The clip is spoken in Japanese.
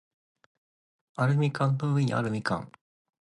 アルミ缶の上にあるみかん